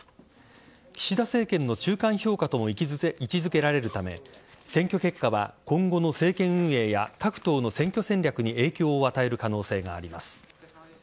岸田政権の中間評価とも位置付けられるため選挙結果は今後の政権運営や各党の選挙戦略に影響を与える可能性があります。